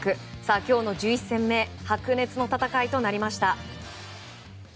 今日の１１戦目白熱の戦いとなりました。